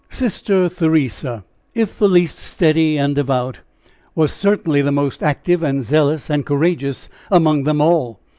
Sister Theresa, if the least steady and devout, was certainly the most active and zealous and courageous among them all.